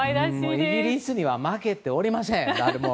イギリスには負けていません。